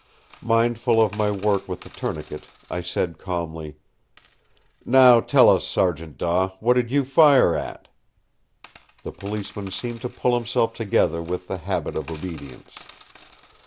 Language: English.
Mindful of my work with the tourniquet, I said calmly: "Now tell us, Sergeant Daw, what did you fire at?" The policeman seemed to pull himself together with the habit of obedience.